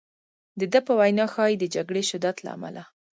د ده په وینا ښایي د جګړې شدت له امله.